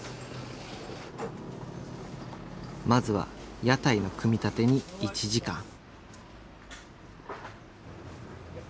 まずは屋台の組み立てに１時間。